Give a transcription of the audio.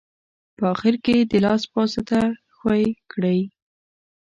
په اخیر کې یې د لاس په واسطه ښوي کړئ.